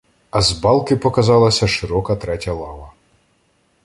А з балки показалася широка третя лава.